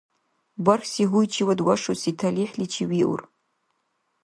Бархьси гьуйчивад вашуси талихӀличи виур.